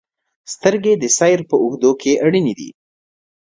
• سترګې د سیر په اوږدو کې اړینې دي.